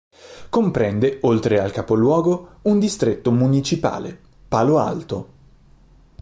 Comprende, oltre al capoluogo, un distretto municipale: Palo Alto.